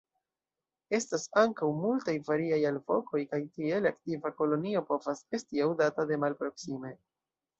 Estas ankaŭ multaj variaj alvokoj, kaj tiele aktiva kolonio povas esti aŭdata de malproksime.